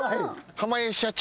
濱家社長。